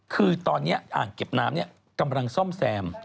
คือตอนนี้อ่างเก็บน้ำกำลังซ่อมแซม